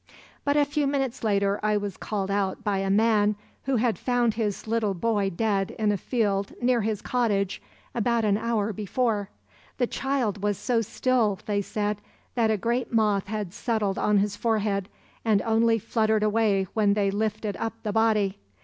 "But a few minutes later I was called out by a man who had found his little boy dead in a field near his cottage about an hour before. The child was so still, they said, that a great moth had settled on his forehead and only fluttered away when they lifted up the body.